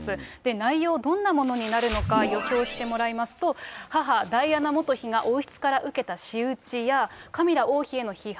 内容、どんなものになるのか、予想してもらいますと、母、ダイアナ元妃が王室から受けた仕打ちやカミラ王妃への批判。